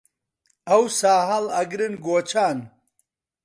ئەوسا هەڵ ئەگرن گۆچان